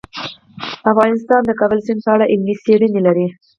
افغانستان د د کابل سیند په اړه علمي څېړنې لري.